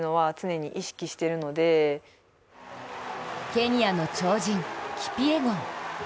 ケニアの超人・キピエゴン。